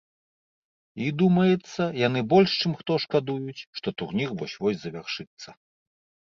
І, думаецца, яны больш чым хто шкадуюць, што турнір вось-вось завяршыцца.